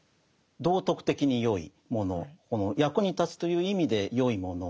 道徳的に善いもの役に立つという意味で善いもの